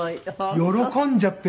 喜んじゃってもう。